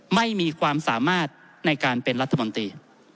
ไม่มีความสามารถในการเป็นรัฐมนตรี